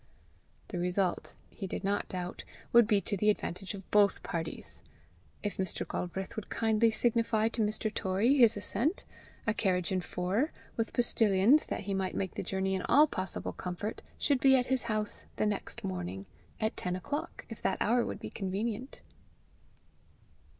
The result, he did not doubt, would be to the advantage of both parties. If Mr. Galbraith would kindly signify to Mr. Torrie his assent, a carriage and four, with postilions, that he might make the journey in all possible comfort, should be at his house the next morning, at ten o'clock, if that hour would be convenient.